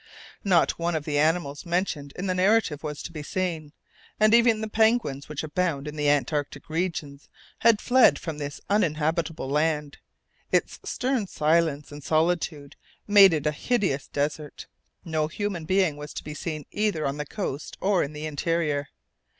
Not one of the animals mentioned in the narrative was to be seen, and even the penguins which abound in the Antarctic regions had fled from this uninhabitable land. Its stern silence and solitude made it a hideous desert. No human being was to be seen either on the coast or in the interior.